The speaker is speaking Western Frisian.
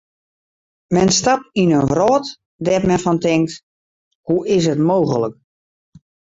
Men stapt yn in wrâld dêr't men fan tinkt: hoe is it mooglik.